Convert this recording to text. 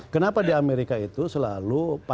kenapa di amerika itu selalu